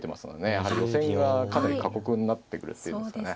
やはり予選がかなり過酷になってくるって言いますかね。